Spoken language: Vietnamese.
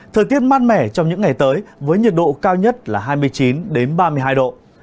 thời tiết mát mẻ trong những ngày tới với nhiệt độ cao nhất là hai mươi chín ba mươi hai độ